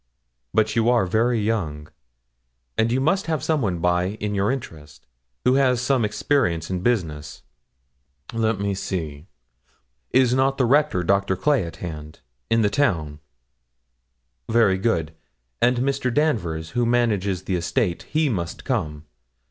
'But you are very young, and you must have some one by in your interest, who has some experience in business. Let me see. Is not the Rector, Dr. Clay, at hand? In the town? very good; and Mr. Danvers, who manages the estate, he must come.